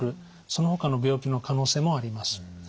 そのほかの病気の可能性もあります。